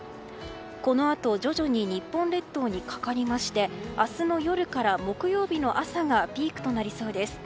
このあと徐々に日本列島にかかりまして明日の夜から木曜日の朝がピークとなりそうです。